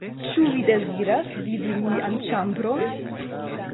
Ĉu vi deziras vidi mian ĉambron?